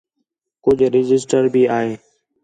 کُج رجسٹر بھی آ ہے